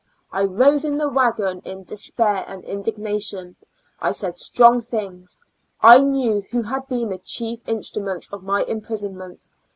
I rose in the wagon in des pair and indignation ; I said strong things ; I knew who had been the chief instruments of my imprisonment.